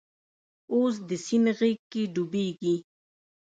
اوس د سیند غیږ کې ډوبیږې